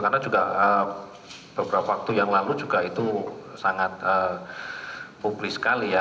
karena juga beberapa waktu yang lalu juga itu sangat publis sekali ya